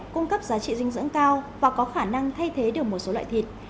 cung cấp giá trị dinh dưỡng cao và có khả năng thay thế được một số loại thịt